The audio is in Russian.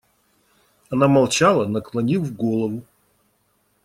Она молчала, наклонив голову.